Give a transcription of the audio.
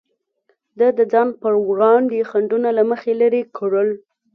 ده د ځان پر وړاندې خنډونه له مخې لرې کړل.